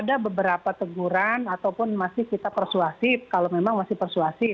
ada beberapa teguran ataupun masih kita persuasif kalau memang masih persuasi